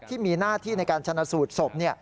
ที่มีหน้าที่ในการชนะสูตรศพ